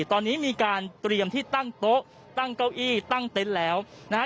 ตอนนี้มีการเตรียมที่ตั้งโต๊ะตั้งเก้าอี้ตั้งเต็นต์แล้วนะฮะ